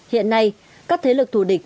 hiện nay các thế lực thủ địch